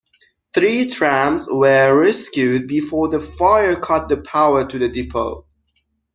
Three trams were rescued before the fire cut the power to the depot.